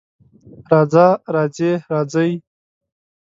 راځه، راځې، راځئ